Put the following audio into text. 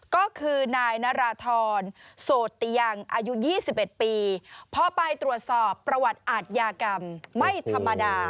ก็คือนายนาราธรโสติยังอายุ๒๑ปีพอไปตรวจสอบประวัติอาทยากรรมไม่ธรรมดา